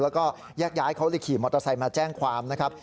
แล้วก็แยกย้ายเขาเลยขี่มอเตอร์ไซค์มาแจ้งความนะครับ